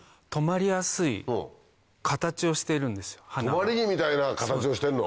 止まり木みたいな形をしてんの？